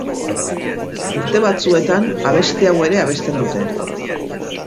Urte batzuetan abesti hau ere abesten dute.